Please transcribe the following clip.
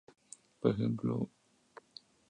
Por ejemplo, Mr.